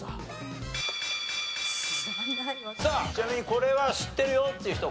ちなみにこれは知ってるよっていう人？